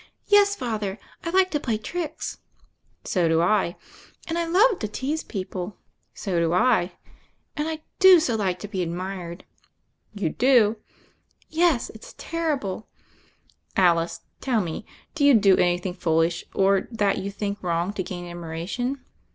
"Yes, Father, I like to play tricks." "So do L" "And I love to tease people." "So do I." "And I do so like to be admired." "You do 1" "Yes, it's terrible." "Alice, tell me : do you do anything foolish, or that you think wrong to gain admiration